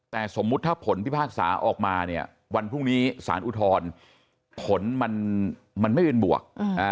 แต่สมมุติถ้าผลพิพากษาออกมาเนี่ยวันพรุ่งนี้สารอุทธรณ์ผลมันไม่เป็นบวก